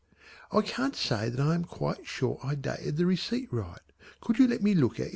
" I can't say that I am quite sure I dated the receipt right. Could you let me look at it?"